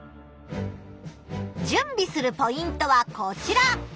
じゅんびするポイントはこちら！